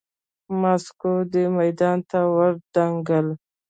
ماسکو دې میدان ته ودانګل.